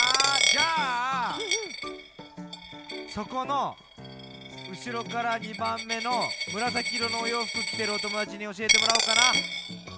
じゃあそこのうしろから２ばんめのむらさきいろのおようふくきてるおともだちにおしえてもらおうかな。